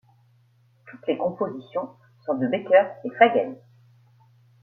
Toutes les compositions sont de Becker et Fagen.